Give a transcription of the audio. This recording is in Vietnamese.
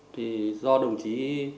thì do đồng chí